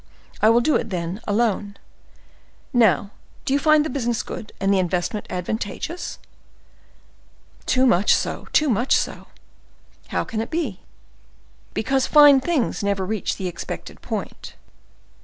I will do it, then, alone. Now, do you find the business good, and the investment advantageous?" "Too much so—too much so." "How can that be?" "Because fine things never reach the expected point."